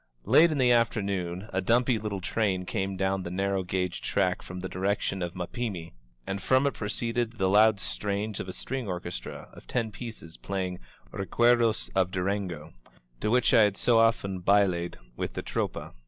Late in the afternoon a dumpy little train came down the narrow gauge track from the directi<m of Mapimi, and from it proceeded the loud strains of a string orchestra of ten pieces playing ^^Recuerdos of Durango," — to which I had so often baSe*d with the Tropa.